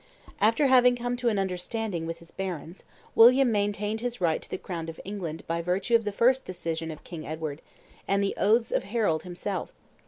After having come to an understanding with his barons, William maintained his right to the crown of England by virtue of the first decision of King Edward, and the oaths of Harold himself.